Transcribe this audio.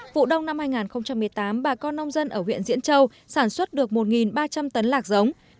vụ đông năm hai nghìn một mươi tám bà con nông dân ở huyện diễn châu sản xuất được một ba trăm linh tấn lạc giống